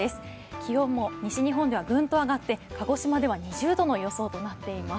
気温も西日本ではグンと上がって鹿児島では２０度の予想となっています。